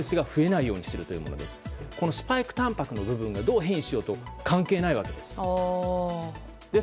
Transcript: このスパイクたんぱくの部分がどう変異しようと関係ないわけです。